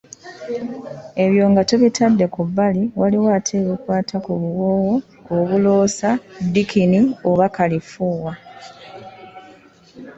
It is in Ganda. Ebyo nga tubitadde ku bbali, waliwo ate ebikwata ku buwoowo, obuloosa, ddikini oba kalifuuwa.